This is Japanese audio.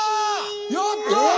やった！